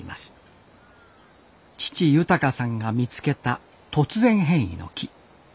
父豊さんが見つけた突然変異の木。